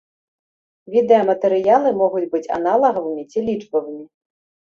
Відэаматэрыялы могуць быць аналагавымі ці лічбавымі.